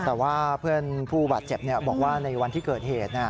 แต่ว่าเพื่อนผู้บาดเจ็บบอกว่าในวันที่เกิดเหตุ